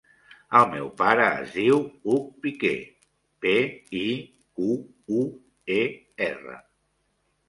El meu pare es diu Hug Piquer: pe, i, cu, u, e, erra.